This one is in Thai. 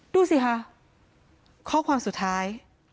ดูสิค่ะข้อความสุดท้าย